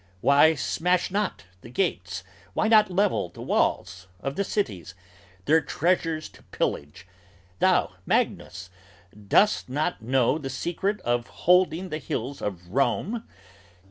Why smash not the gates, why not level the walls of the cities, Their treasures to pillage? Thou, Magnus, dost not know the secret Of holding the hills of Rome?